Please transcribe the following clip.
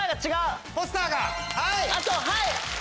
あとはい！